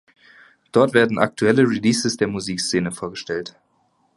Dort werden aktuelle Releases der Musikszene vorgestellt.